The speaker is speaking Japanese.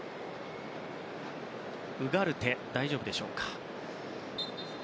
ウガルテ大丈夫でしょうか。